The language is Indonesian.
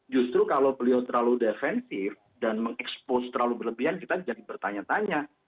justru kalau beliau terlalu defensif dan mengekspos terlalu berlebihan kita jadi bertanya tanya